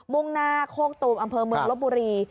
่งหน้าโคกตูมอำเภอเมืองลบบุรี